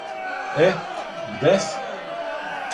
Е, где си?